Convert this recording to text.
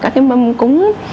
các cái mâm cúng